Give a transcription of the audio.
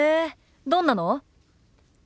どんなの？